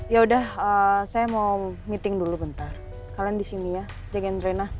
ya udah saya mau meeting dulu bentar kalian di sini ya jagand drena